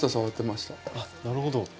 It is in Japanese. あっなるほど。